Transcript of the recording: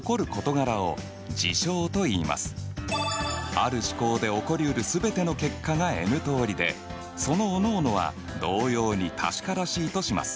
ある試行で起こりうるすべての結果がＮ通りでそのおのおのは「同様に確からしい」とします。